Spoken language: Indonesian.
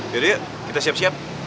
yaudah yuk kita siap siap